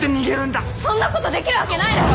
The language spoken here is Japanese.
そんなことできるわけないだろ！